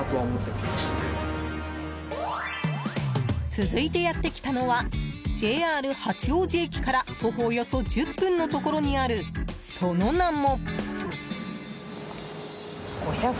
続いてやってきたのはＪＲ八王子駅から徒歩およそ１０分のところにあるその名も。